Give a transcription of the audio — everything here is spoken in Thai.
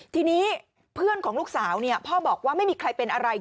ทีนี้เพื่อนของลูกสาวพ่อบอกว่าไม่มีใครเป็นอะไร